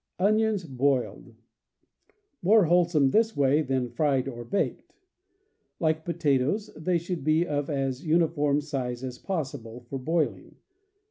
Onions, Boiled. — More wholesome this way than fried or baked. Like potatoes, they should be of as uniform size as possible, for boiling.